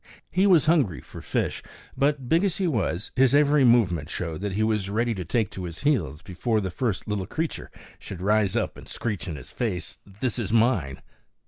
He was hungry for fish; but, big as he was, his every movement showed that he was ready to take to his heels before the first little creature that should rise up and screech in his face: "This is mine!"